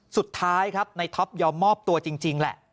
สุดท้ายครับในท็อปยอมมอบตัวจริงแหละ